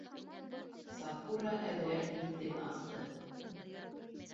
Сафура әҙерәк битен асты.